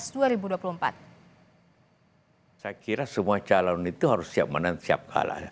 saya kira semua calon itu harus siap menang siap kalah